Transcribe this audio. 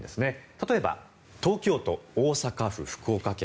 例えば東京都、大阪府、福岡県